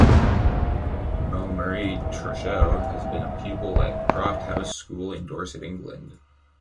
Mille-Marie Treschow has been a pupil at "Croft House School" in Dorset, England.